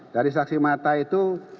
dari saksi mata itu